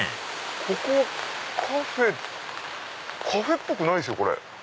ここはカフェカフェっぽくないですよ。